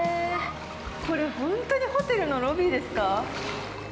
これ本当にホテルのロビーですか？